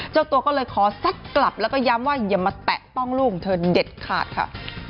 เจ้าตัวก็เลยขอซัดกลับแล้วก็ย้ำว่าอย่ามาแตะต้องลูกของเธอเด็ดขาดค่ะ